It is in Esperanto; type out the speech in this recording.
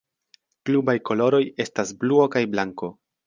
Klubaj koloroj estas bluo kaj blanko.